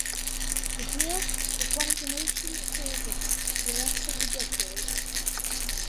The duo was one of the nation's favorites for the rest of the decade.